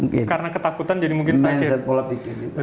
karena ketakutan jadi mungkin sakit